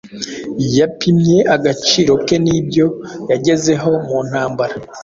Yapimye agaciro kenibyo yagezeho mu ntambara